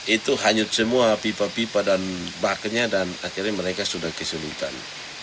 itu hanyut semua pipa pipa dan bakarnya dan akhirnya mereka sudah kesulitan